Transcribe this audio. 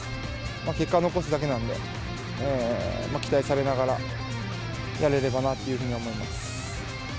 結果を残すだけなので、期待されながらやれればなというふうに思います。